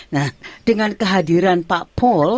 nah dengan kehadiran pak pol